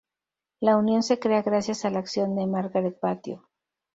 La unión se crea gracias a la acción de Margaret Vatio.